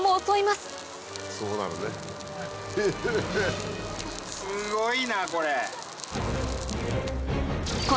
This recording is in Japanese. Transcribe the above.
すごいなこれ。